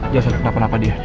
jelasin kenapa napa dia